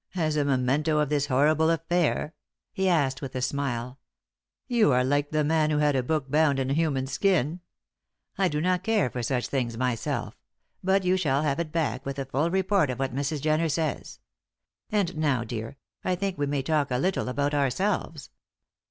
"As a memento of this horrible affair?" he asked, with a smile. "You are like the man who had a book bound in a human skin. I do not care for such things myself; but you shall have it back with a full report of what Mrs. Jenner says. And now, dear, I think we may talk a little about ourselves.